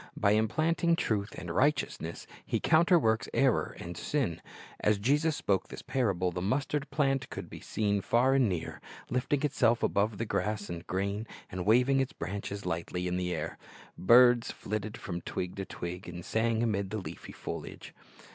By implanting truth and righteousness, He counterworks error and sin. As Jesus spoke this parable, the mustard plant could be seen far and near, lifting itself above the grass and grain, and waving its branches lightly in the air. Birds flitted from twig to twig, and sang amid the leafy foliage.